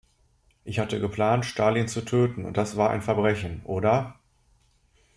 Ich hatte geplant, Stalin zu töten und das war ein Verbrechen, oder?